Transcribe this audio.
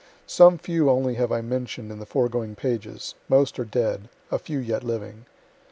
Some few only have I mention'd in the foregoing pages most are dead a few yet living.